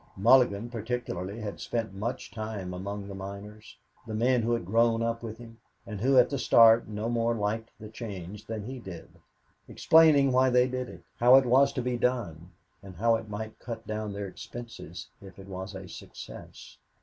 Mulligan particularly had spent much time among the miners, the men who had grown up with him, and who at the start no more liked the change than he did explaining why they did it, how it was to be done, and how it might cut down their expenses if it was a success.